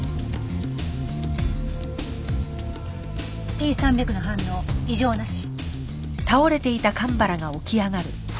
Ｐ３００の反応異常なし。